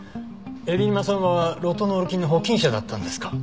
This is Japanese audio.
海老沼さんはロトノール菌の保菌者だったんですか？